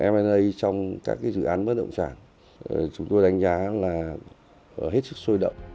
m a trong các dự án bất động sản chúng tôi đánh giá là hết sức sôi động